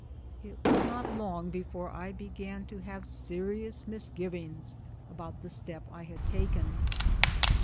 It was not long before I began to have serious misgivings about the step I had taken.